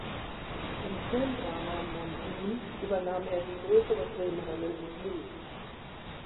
Im Filmdrama "Monsoon" übernahm er die größere Filmrolle des "Lewis".